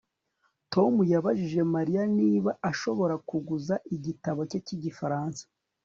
Tom yabajije Mariya niba ashobora kuguza igitabo cye cyigifaransa